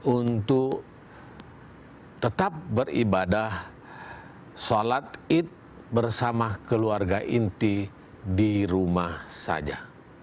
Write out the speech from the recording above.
untuk tetap beribadah sholat id bersama keluarga inti di rumah saja